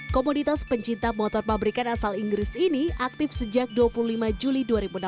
komoditas pencinta motor pabrikan asal inggris ini aktif sejak dua puluh lima juli dua ribu enam belas